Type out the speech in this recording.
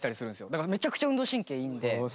だからめちゃくちゃ運動神経いいんで。